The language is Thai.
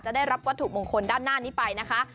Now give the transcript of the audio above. ได้รับวัตถุมงคลด้านหน้านี้ไปนะคะ